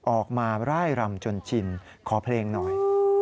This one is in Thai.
มาร่ายรำจนชินขอเพลงหน่อย